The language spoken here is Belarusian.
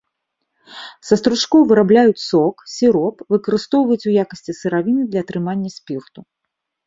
Са стручкоў вырабляюць сок, сіроп, выкарыстоўваюць у якасці сыравіны для атрымання спірту.